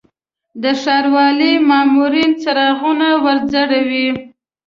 د ښاروالي مامورین څراغونه وځړوي.